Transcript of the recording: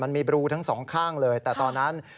มันมีบรูทั้งสองข้างเลยแต่ตอนนั้น